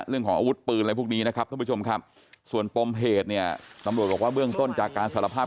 เรื่องของอาวุธปืนอะไรพวกนี้นะครับท่านผู้ชมครับส่วนปมเหตุเนี่ยตำรวจบอกว่าเบื้องต้นจากการสารภาพ